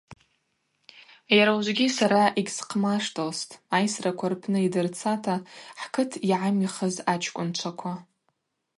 Йара ужвыгьи сара йыгьсхъмаштылстӏ, айсраква рпны йдырцата хӏкыт йгӏамихыз ачкӏвынчваква.